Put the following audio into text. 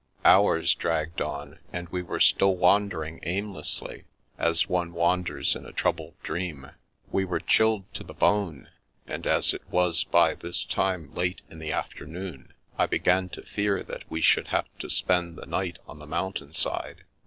Hours dragged on, and we were still wandering aimlessly, as one wanders in a troubled dream. We The Revenge of the Mountain 291 were chilled to the bone, and as it was by this time late in the afternoon, I began to fear that we should have to spend the night on the mountain side.